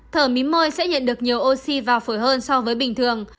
thở mí môi sẽ nhận được nhiều oxy và phổi hơn so với bình thường